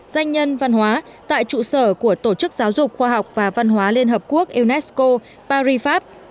danh nhân văn hóa tại trụ sở của tổ chức giáo dục khoa học và văn hóa liên hợp quốc unesco paris pháp